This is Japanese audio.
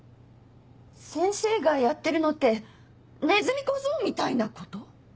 先生がやってるのってねずみ小僧みたいなこと？